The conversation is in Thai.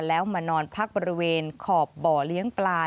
แล้วมานอนพักบริเวณขอบบ่อเลี้ยงปลา